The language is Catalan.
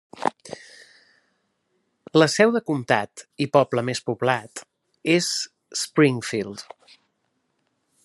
La seu de comtat i poble més poblat és Springfield.